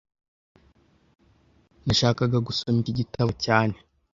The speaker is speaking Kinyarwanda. Nashakaga gusoma iki gitabo cyane